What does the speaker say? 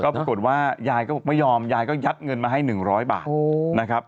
ปรากฏว่ายายก็บอกไม่ยอมยายก็ยัดเงินมาให้๑๐๐บาทนะครับ